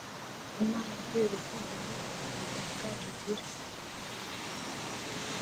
“Imana kubera urukundo n’ubuntu butangaje igira